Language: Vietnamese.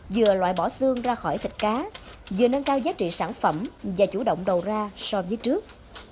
vừa loại bỏ xương ra khỏi thịt cá vừa nâng cao giá trị sản phẩm và chủ động đầu ra so với trước